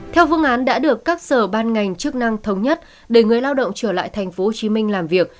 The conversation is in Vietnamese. theo phương án đã được các sở ban ngành chức năng thống nhất để người lao động trở lại tp hcm làm việc